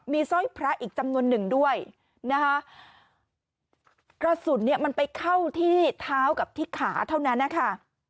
มีสร้อยพระอีกจำนวนหนึ่งด้วยนะคะกระสุนเนี่ยมันไปเข้าที่เท้ากับที่ขาเท่านั้นนะคะ